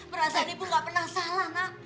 perasaan ibu gak pernah salah nak